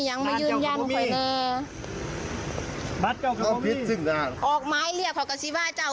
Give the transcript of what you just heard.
ยังไม่ยืนยันขอแน่บัตรเจ้ากับออกมาให้เรียกเขากะสิบ้าเจ้า